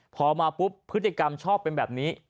พอมาปุ๊บพฤติกรรมชอบเป็นแบบนี้